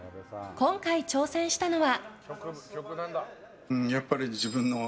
今回、挑戦したのは。